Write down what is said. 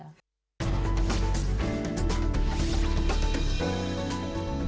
jadi kita harus memiliki kekuatan yang lebih baik